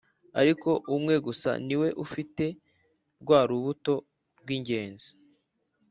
ariko umwe gusa ni we ufite rwa rubuto rw'ingenzi,